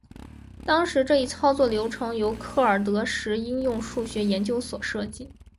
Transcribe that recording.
当时这一操作流程由克尔德什应用数学研究所所设计。